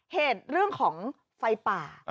เรื่องของไฟป่า